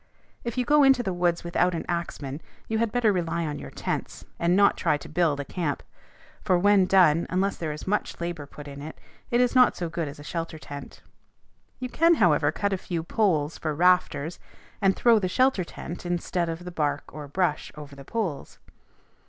If you go into the woods without an axeman, you had better rely upon your tents, and not try to build a camp; for when done, unless there is much labor put in it, it is not so good as a shelter tent. You can, however, cut a few poles for rafters, and throw the shelter tent instead of the bark or brush over the poles.